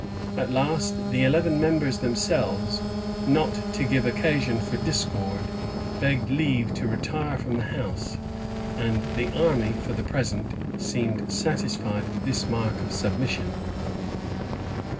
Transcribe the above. [v*] At last, the eleven members themselves, not to give occasion for discord, begged leave to retire from the house; and the army, for the present, seemed satisfied with this mark of submission.